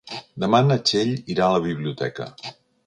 Demà na Txell irà a la biblioteca.